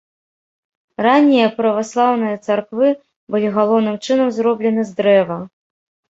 Раннія праваслаўныя царквы былі галоўным чынам зроблены з дрэва.